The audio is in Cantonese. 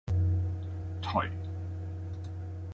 頹